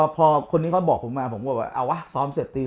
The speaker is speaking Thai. พอคนนี้เขาบอกผมมาผมก็บอกเอาวะซ้อมเสร็จตี